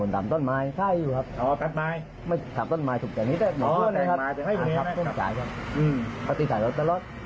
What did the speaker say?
อ๋อแต่งมาแต่งให้คุณเนี้ยนะครับครับผมสายครับอืมพอตีสายรถตลอด